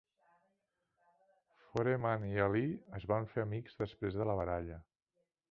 Foreman i Ali es van fer amics després de la baralla.